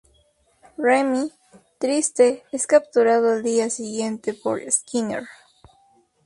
Remy, triste, es capturado al día siguiente por Skinner.